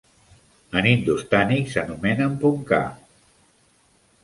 En hindustànic s'anomenen "punkah".